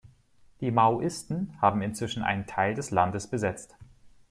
Die Maoisten haben inzwischen einen Teil des Landes besetzt.